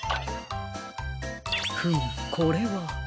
フムこれは。